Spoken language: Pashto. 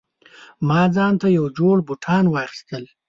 ما ځانته یو جوړ بوټان واخیستل